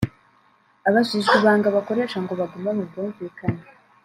Abajijwe ibanga bakoresha ngo bagume mu bwumvikane